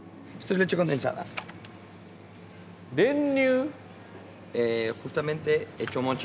練乳？